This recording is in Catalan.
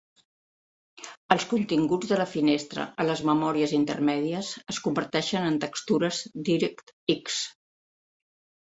Els continguts de la finestra a les memòries intermèdies es converteixen en textures DirectX.